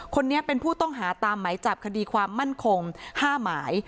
คนนี้เป็นผู้ต้องหาตามหมายจับคดีความมั่นคง๕หมาย